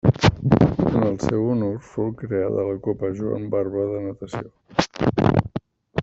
En el seu honor fou creada la Copa Joan Barba de natació.